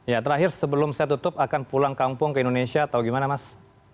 ya terakhir sebelum saya tutup akan pulang kampung ke indonesia atau gimana mas